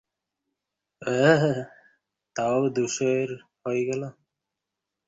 তাও দোষের হয়ে গেল?